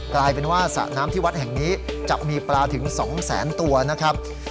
กลายเป็นว่าสระน้ำที่วัดแห่งนี้จะมีปลาถึง๒แสนตัวนะครับ